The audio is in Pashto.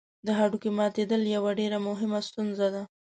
د هډوکي ماتېدل یوه ډېره مهمه ستونزه ده.